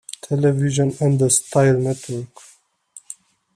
Television and the Style Network.